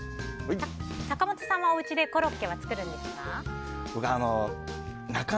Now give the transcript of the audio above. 坂本さんはおうちでコロッケ作るんですか？